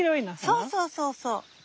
そうそうそうそう。